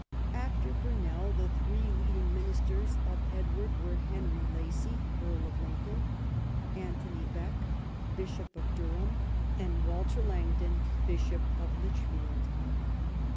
After Burnell, the three leading ministers of Edward were Henry Lacy, Earl of Lincoln, Anthony Bek, Bishop of Durham, and Walter Langton, Bishop of Lichfield.